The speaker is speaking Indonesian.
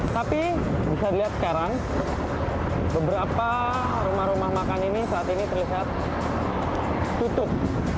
tapi bisa dilihat sekarang beberapa rumah rumah makan ini saat ini terlihat tutup